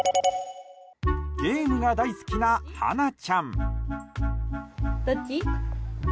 ゲームが大好きなはなちゃん。